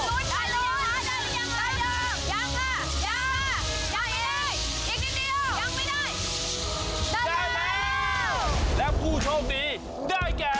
ได้แล้วแล้วผู้โชคดีได้แก